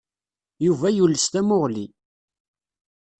Yuba yules tamuɣli.